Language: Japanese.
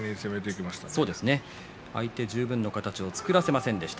相手に十分な体勢を作らせませんでした。